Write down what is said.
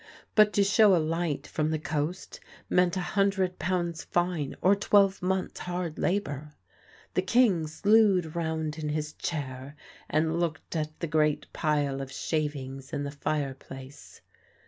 But to show a light from the coast meant a hundred pounds fine or twelve months' hard labour. The King slewed round in his chair and looked at the great pile of shavings in the fireplace.